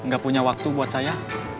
gak punya waktu buat saya